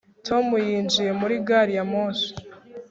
tom yinjiye muri gari ya moshi